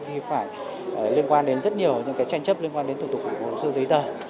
khi phải liên quan đến rất nhiều những cái tranh chấp liên quan đến thủ tục của sưu giấy tờ